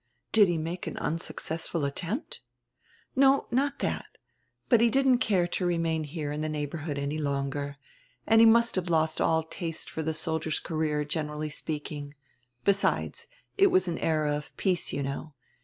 "Did he make an unsuccessful attempt? " "No, not that But he didn't care to remain here in the neighborhood any longer, and he must have lost all taste for die soldier's career, generally speaking. Besides, it was an era of peace, you know.